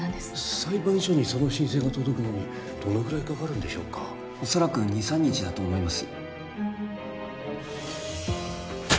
裁判所にその申請が届くのにどのくらいかかるんでしょうか恐らく２３日だと思います